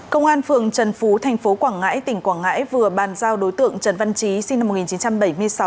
công an phường trần phú thành phố quảng ngãi tỉnh quảng ngãi vừa bàn giao đối tượng trần văn chí sinh năm một nghìn chín trăm bảy mươi sáu